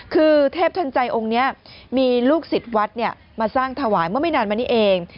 คือเทพทันใจองค์นี้มีลูกศิษย์วัดมาสร้างถวายเมื่อไม่นานมานี้เอง